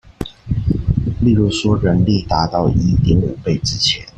例如說人力達到一點五倍之前